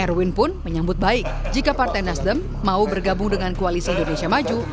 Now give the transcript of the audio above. erwin pun menyambut baik jika partai nasdem mau bergabung dengan koalisi indonesia maju